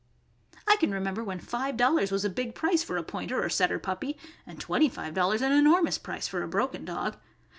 I can remember when five dollars was a big price for a Pointer or Setter puppy, and twenty five dollars an enor mous price for a broken dog.